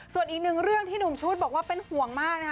ส่วนอีกหนึ่งเรื่องที่หนุ่มชุดบอกว่าเป็นห่วงมากนะคะ